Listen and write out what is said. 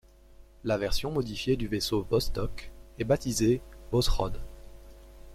La version modifiée du vaisseau Vostok est baptisée Voskhod.